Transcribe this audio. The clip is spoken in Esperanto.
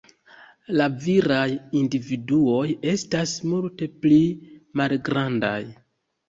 La viraj individuoj estas multe pli malgrandaj.